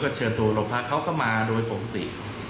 ก็เขาก็มาโดยปกติ